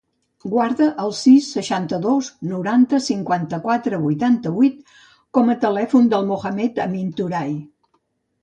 Guarda el sis, seixanta-dos, noranta, cinquanta-quatre, vuitanta-vuit com a telèfon del Mohamed amin Touray.